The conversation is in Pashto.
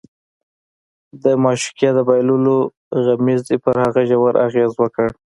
د معشوقې د بایللو غمېزې پر هغه ژور اغېز وکړ